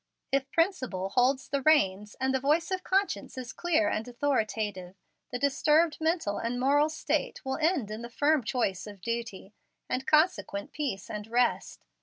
If principle holds the reins, and the voice of conscience is clear and authoritative, the disturbed mental and moral state will end in the firm choice of duty, and consequent peace and rest.